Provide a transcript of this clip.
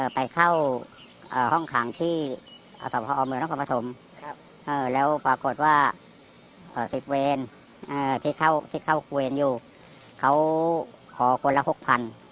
ไปเข้าห้องคางที่อมนแล้วปรากฏว่าสิบเวรที่เข้าเวรอยู่เขาขอกลละ๖๐๐๐บาท